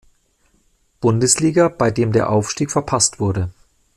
Bundesliga, bei dem der Aufstieg verpasst wurde.